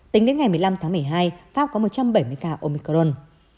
tính đến ngày một mươi năm tháng một mươi hai pháp có một trăm bảy mươi ca omicron